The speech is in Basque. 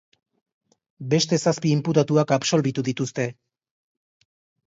Beste zazpi inputatuak absolbitu dituzte.